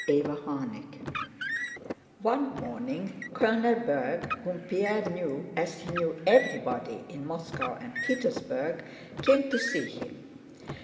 CHAPTER XX One morning Colonel Berg, whom Pierre knew as he knew everybody in Moscow and Petersburg, came to see him.